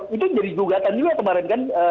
itu jadi gugatan juga kemarin kan